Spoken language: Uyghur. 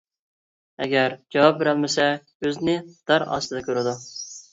ئەگەر جاۋاب بېرەلمىسە، ئۆزىنى دار ئاستىدا كۆرىدۇ.